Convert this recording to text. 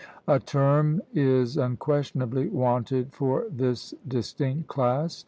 A term is unquestionably wanted for this distinct class.